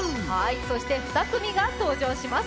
そして２組が登場します。